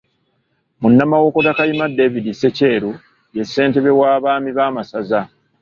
Munnamawokota Kayima David Ssekyeru ye ssentebe w'Abaami b'amasaza.